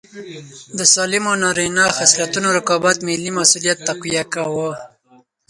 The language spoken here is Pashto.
د سالمو نارینه خصلتونو رقابت ملي مسوولیت تقویه کاوه.